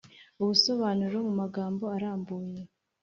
ubusobanuro mu magambo arambuye